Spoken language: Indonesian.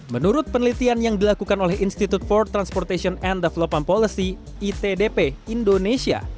menurut penelitian yang dilakukan oleh institute for transportation and development policy itdp indonesia